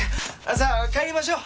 さあ帰りましょう。